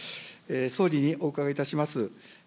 総理にお伺いいたします。